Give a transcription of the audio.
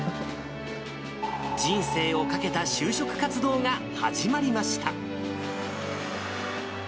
人生を懸けた就職活動が始まりました。